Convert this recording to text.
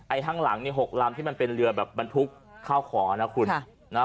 ไอ้ทางหลัง๖ลำที่มันเป็นเรือแบบบรรทุกข้าวขอนะคุณ